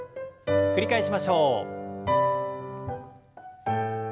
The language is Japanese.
繰り返しましょう。